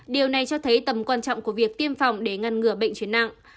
điều này cho thấy tầm quan trọng của việc tiêm phòng để ngăn ngừa bệnh chuyển nặng